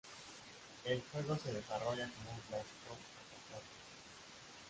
El juego se desarrolla como un clásico plataformas.